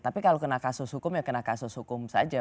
tapi kalau kena kasus hukum ya kena kasus hukum saja